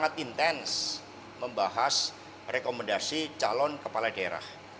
sangat intens membahas rekomendasi calon kepala daerah